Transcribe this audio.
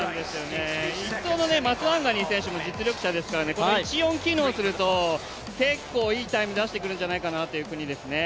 １祖のマスワンガニー選手もいい選手ですからこの１、４機能すると結構いいタイム出してくるんじゃないかというチームですね。